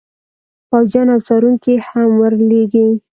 پوځیان او څارونکي هم ور لیږي.